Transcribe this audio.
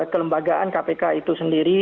kelembagaan kpk itu sendiri